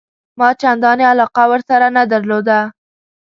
ما چنداني علاقه ورسره نه درلوده.